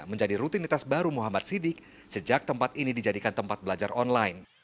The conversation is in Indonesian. menjadi rutinitas baru muhammad sidik sejak tempat ini dijadikan tempat belajar online